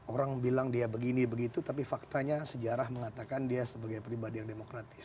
orang bilang dia begini begitu tapi faktanya sejarah mengatakan dia sebagai pribadi yang demokratis